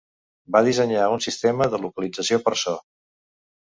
Va dissenyar un sistema de localització per so.